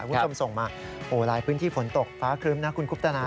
คุณผู้ชมส่งมาโหหลายพื้นที่ฝนตกฟ้าครึ้มนะคุณคุปตนา